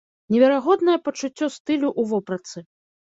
Неверагоднае пачуццё стылю ў вопратцы.